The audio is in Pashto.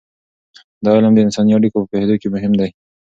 دا علم د انساني اړیکو په پوهیدو کې مهم دی.